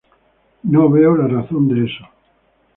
No veo la razón de eso.